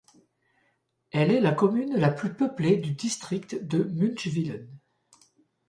Elle est la commune la plus peuplée du district de Münchwilen.